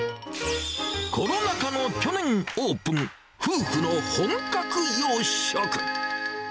コロナ禍の去年オープン、夫婦の本格洋食。